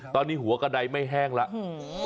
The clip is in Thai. ตอนนี้หัวกระดายไม่แห้งแล้ว